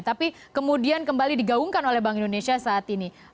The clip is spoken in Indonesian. tapi kemudian kembali digaungkan oleh bank indonesia saat ini